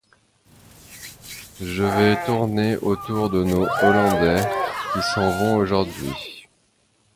Je vais tourner autour de nos Hollandais, qui s’en vont aujourd’hui.